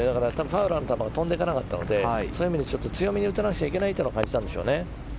ファウラーの球は飛んでいかなかったのでそういう意味で強めに打たなくちゃいけないと感じたんでしょうね。